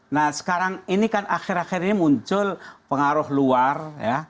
nah sekarang ini kan akhir akhir ini muncul ini kan akhir akhir ini muncul ini kan akhir akhir ini muncul